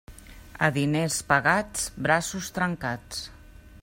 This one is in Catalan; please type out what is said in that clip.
A diners pagats, braços trencats.